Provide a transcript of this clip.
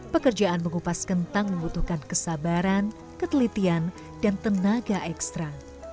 pekerjaan mengupas kentang membutuhkan kesabaran ketelitian dan tenaga ekstra